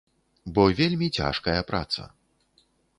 Бо вельмі цяжкая праца.